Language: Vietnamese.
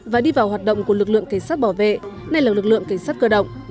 và đi vào hoạt động của lực lượng cảnh sát bảo vệ nay là lực lượng cảnh sát cơ động